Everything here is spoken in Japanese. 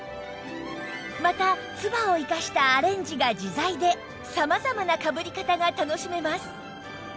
またツバを生かしたアレンジが自在で様々なかぶり方が楽しめます